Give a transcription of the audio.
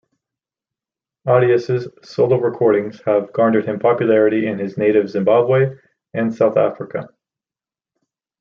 Audius' solo recordings have garnered him popularity in his native Zimbabwe and South Africa.